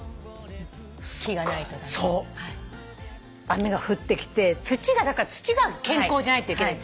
雨が降ってきてだから土が健康じゃないといけない。